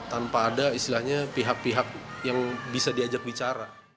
tanpa ada istilahnya pihak pihak yang bisa diajak bicara